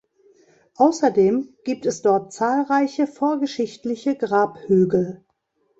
Außerdem gibt es dort zahlreiche vorgeschichtliche Grabhügel.